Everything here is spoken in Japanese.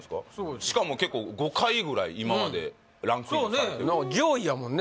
しかも結構５回ぐらい今までランクインしたっていう上位やもんね